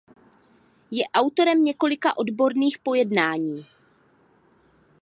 Je autorem několika odborných pojednání.